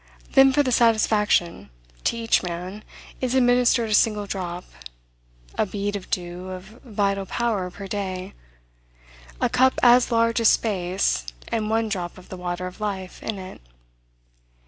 Then for the satisfaction, to each man is administered a single drop, a bead of dew of vital power per day, a cup as large as space, and one drop of the water of life in it.